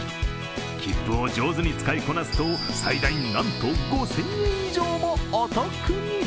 切符を上手に使いこなすと最大なんと５０００円以上もお得に！